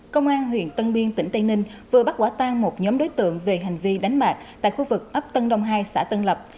công an huyện tân biên tỉnh tây ninh vừa bắt quả tang một nhóm đối tượng về hành vi đánh bạc tại khu vực ấp tân đông hai xã tân lập